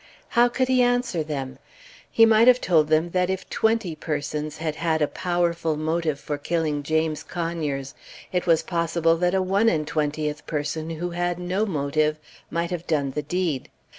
How could he answer them? He might have told them that if twenty persons had had a powerful motive for killing James Conyers, it was possible that a one and twentieth person, who had no motive, might have done the Page 134 deed.